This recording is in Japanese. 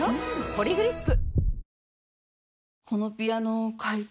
「ポリグリップ」